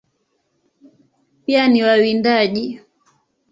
Pia ni wawindaji.